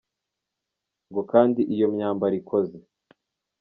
Ngo kandi iyo myambaro ikoze.